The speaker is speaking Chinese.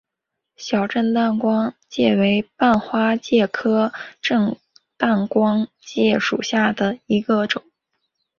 小震旦光介为半花介科震旦光介属下的一个种。